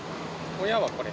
親はこれ。